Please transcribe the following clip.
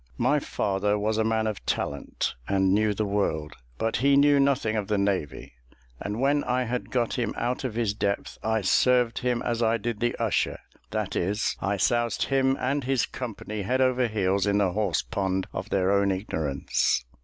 My father was a man of talent, and knew the world, but he knew nothing of the navy; and when I had got him out of his depth, I served him as I did the usher: that is, I soused him and his company head over heels in the horse pond of their own ignorance.